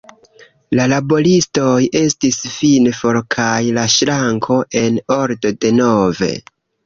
La laboristoj estis fine for kaj la ŝranko en ordo denove.